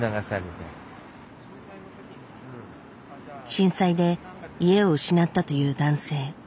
震災で家を失ったという男性。